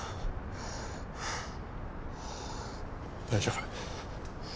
大丈夫。